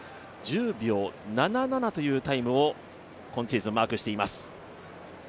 １０秒７７というタイムを今シーズンマークしています。